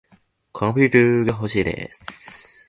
コンピューターがほしいです。